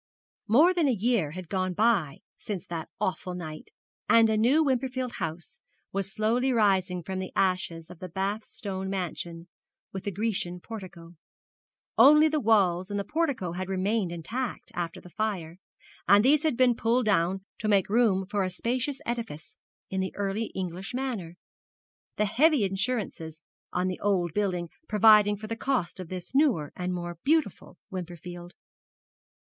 More than a year had gone by since that awful night, and a new Wimperfield House was slowly rising from the ashes of the Bath stone mansion with the Grecian portico. Only the walls and the portico had remained intact after the fire, and these had been pulled down to make room for a spacious edifice in the Early English manner, the heavy insurances on the old building providing for the cost of this newer and more beautiful Wimperfield.